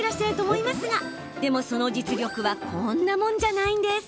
でも、その実力はこんなもんじゃないんです。